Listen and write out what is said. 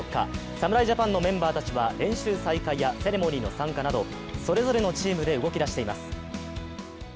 侍ジャパンのメンバーたちは練習再会やセレモニー参加などそれぞれのチームで動きだしています。